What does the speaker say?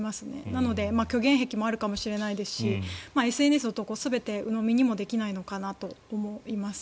なので虚言癖もあるかもしれないですしＳＮＳの投稿を全てうのみにもできないのかなと思います。